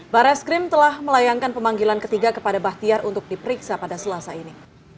barreskrim telah melayangkan pemanggilan ketiga kepada bahtiar untuk diperiksa pada selasa ini